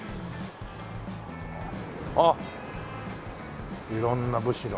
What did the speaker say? あっ色んな武士の。